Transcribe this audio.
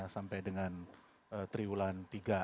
sampai dengan triwulan tiga